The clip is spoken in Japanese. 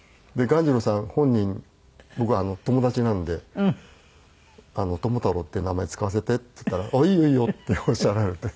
鴈治郎さん本人僕友達なので「智太郎って名前使わせて」って言ったら「いいよいいよ」っておっしゃられて。